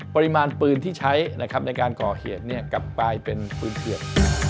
ปริมาณปืนที่ใช้ในการก่อเหตุกลับกลายเป็นปืนเปียก